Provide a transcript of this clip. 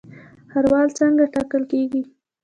ښاروال څنګه ټاکل کیږي؟